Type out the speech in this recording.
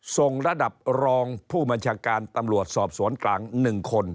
ส่งระดับรองผู้บัญชาการตำรวจสอบสวนกลาง๑คน